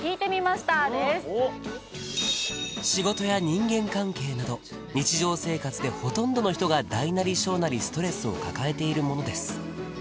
仕事や人間関係など日常生活でほとんどの人が大なり小なりストレスを抱えているものです